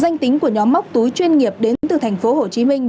danh tính của nhóm móc túi chuyên nghiệp đến từ thành phố hồ chí minh